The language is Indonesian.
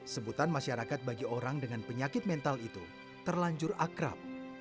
sebutan masyarakat bagi orang dengan penyakit mental itu terlanjur akrab